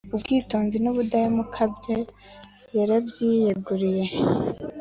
ubwitonzi n’ubudahemuka bye, yaramwiyeguriye,